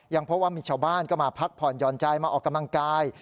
เพราะว่ามีชาวบ้านก็มาพักผ่อนหย่อนใจมาออกกำลังกาย